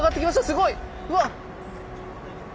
すごい！うわ！